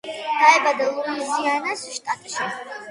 დაიბადა ლუიზიანას შტატში.